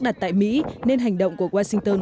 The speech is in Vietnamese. đặt tại mỹ nên hành động của washington